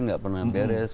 nggak pernah beres